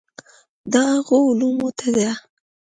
دا هغو علومو ته ده.